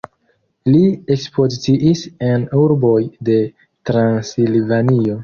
Li ekspoziciis en urboj de Transilvanio.